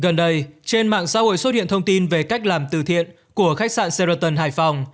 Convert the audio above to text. gần đây trên mạng xã hội xuất hiện thông tin về cách làm từ thiện của khách sạn serieston hải phòng